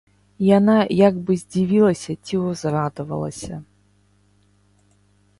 Яна як бы здзівілася ці ўзрадавалася.